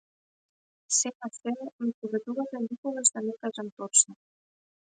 Сѐ на сѐ, ме советувате никогаш да не кажам точно?